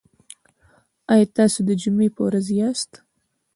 ایا تاسو د جمعې په ورځ یاست؟